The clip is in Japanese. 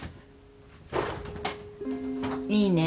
いいね。